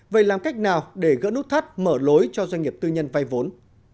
vậy làm cách nào để gỡ nút thắt mở lối cho doanh nghiệp tư nhân vay vốn